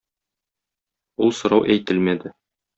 Ул сорау әйтелмәде.